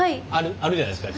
あるじゃないですか。